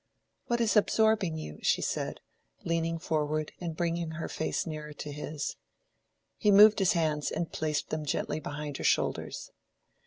"What is absorbing you?" she said, leaning forward and bringing her face nearer to his. He moved his hands and placed them gently behind her shoulders.